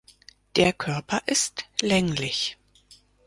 Der Körper ist länglich.